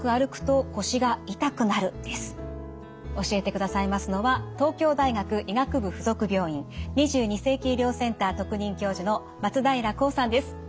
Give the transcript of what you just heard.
教えてくださいますのは東京大学医学部附属病院２２世紀医療センター特任教授の松平浩さんです。